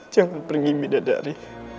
jangan pergi bidadari